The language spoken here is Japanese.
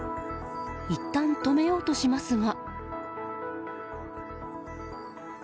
いったん止めようとしますが。